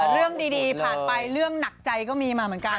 เรื่องดีผ่านไปเรื่องหนักใจก็มีมาเหมือนกัน